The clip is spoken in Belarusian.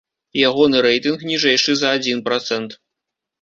Ягоны рэйтынг ніжэйшы за адзін працэнт.